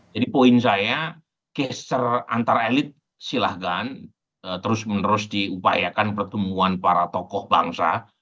jadi poin saya geser antar elit silahkan terus menerus diupayakan pertemuan para tokoh bangsa